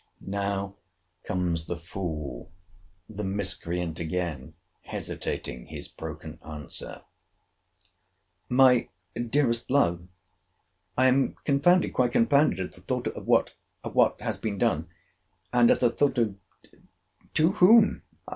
Now comes the fool, the miscreant again, hesitating his broken answer: My dearest love, I am confounded, quite confounded, at the thought of what—of what has been done; and at the thought of—to whom.